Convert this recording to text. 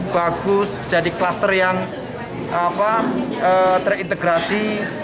bagus jadi kluster yang terintegrasi